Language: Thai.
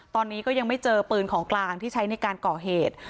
ตอนนี้ก็ยังไม่เจอปืนของกลางที่ใช้ในการก่อเหตุ